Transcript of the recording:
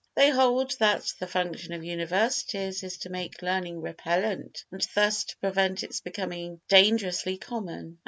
They hold that the function of universities is to make learning repellent and thus to prevent its becoming dangerously common.